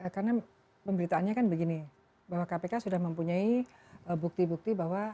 karena pemberitaannya kan begini bahwa kpk sudah mempunyai bukti bukti bahwa